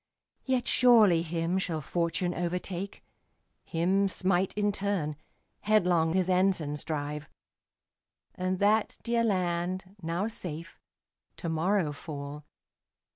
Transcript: Yet surely him shall fortune overtake, Him smite in turn, headlong his ensigns drive; And that dear land, now safe, to morrow fall.